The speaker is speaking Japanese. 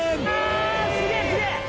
あっすげえすげえ！